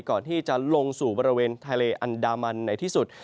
ก่อนที่จะลงสู่บริเวณทะเลอันดามันในที่สุด